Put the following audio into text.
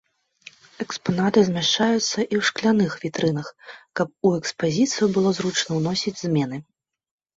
Экспанаты змяшчаюцца і ў шкляных вітрынах, каб у экспазіцыю было зручна ўносіць змены.